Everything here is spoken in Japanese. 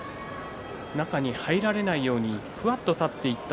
中に入られないようにふわっと立ちました。